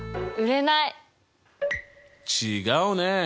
違うね。